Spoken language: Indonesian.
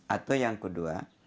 atau yang kedua